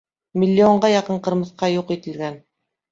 Миллионға яҡын ҡырмыҫҡа юҡ ителгән.